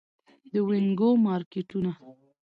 د وینګو مارکیټونه